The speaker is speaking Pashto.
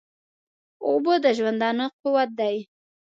اوبه د ژوندانه قوت دي